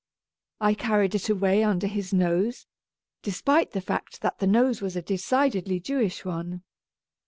I carried it away under his nose, despite the fact that the nose was a decidedly Jewish one.